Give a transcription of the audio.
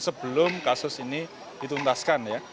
sebelum kasus ini dituntaskan